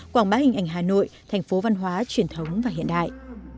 quảng bá hình ảnh hà nội thành phố văn hóa truyền thống và hiện đại